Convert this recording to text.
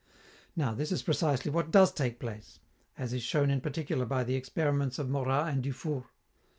Now, this is precisely what does take place, as is shown in particular by the experiments of Morat and Dufourt.